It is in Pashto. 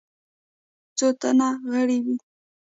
څو تنه غړي وه.